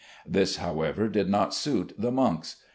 This, however, did not suit the monks.